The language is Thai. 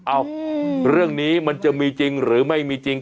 เอ้าเรื่องนี้มันจะมีจริงหรือไม่มีจริง